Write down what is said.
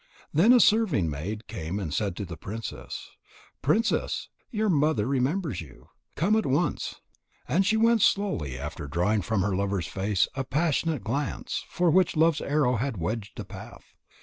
Then a serving maid came and said to the princess: "Princess, your mother remembers you. Come at once." And she went slowly, after drawing from her lover's face a passionate glance, for which Love's arrow had wedged a path.